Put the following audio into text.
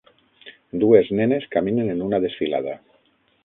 Dues nenes caminen en una desfilada.